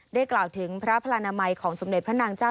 กล่าวถึงพระพลานามัยของสมเด็จพระนางเจ้า